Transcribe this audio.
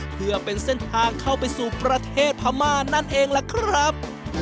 เพื่อเป็นเส้นทางเข้าไปสู่ประเทศพม่านั่นเองล่ะครับ